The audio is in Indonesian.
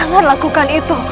jangan lakukan itu